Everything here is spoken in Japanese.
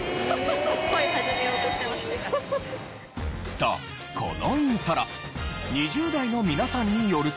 さあこのイントロ２０代の皆さんによると。